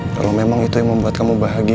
kalau memang itu yang membuat kamu bahagia